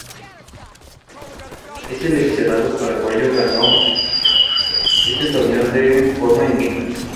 El seleccionado paraguayo ganó ese torneo en forma invicta.